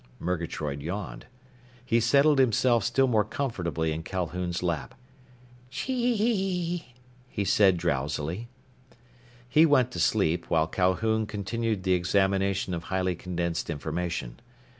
Murgatroyd yawned. He settled himself still more comfortably in Calhoun's lap. "Chee," he said drowsily. He went to sleep, while Calhoun continued the examination of highly condensed information.